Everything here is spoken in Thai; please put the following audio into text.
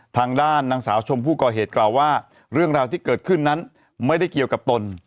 ทางด้านนางสาวชมผู้ก่อเหตุกล่าวว่าเรื่องราวที่เกิดขึ้นนั้นไม่ได้เกี่ยวกับตน